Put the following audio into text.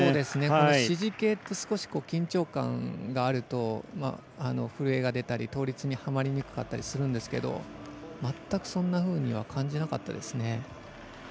支持系って少し緊張感があると震えが出たり、倒立にはまりにくかったりするんですけど全くそんなふうには感じなかったですね。